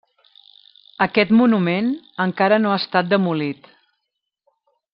Aquest monument encara no ha estat demolit.